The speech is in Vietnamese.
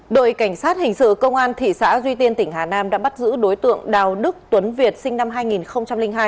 đội cảnh sát hình sự công an thị xã duy tiên tỉnh hà nam đã bắt giữ đối tượng đào đức tuấn việt sinh năm hai nghìn hai